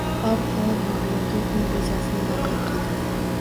Ob-havo bugungi kun rejasini barbod qildi.